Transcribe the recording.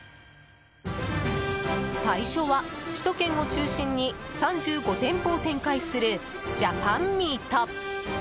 最初は首都圏を中心に３５店舗を展開する、ジャパンミート。